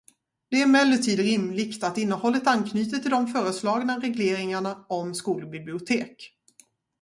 Det är emellertid rimligt att innehållet anknyter till de föreslagna regleringarna om skolbibliotek.